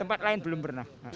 tempat lain belum pernah